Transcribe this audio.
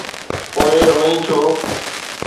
پوءِ روئين ڇو؟